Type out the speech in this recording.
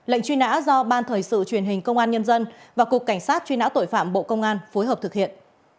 lệnh truy nã do ban thời sự truyền hình công an nhân dân và cục cảnh sát truy nã tội phạm bộ công an phối hợp thực hiện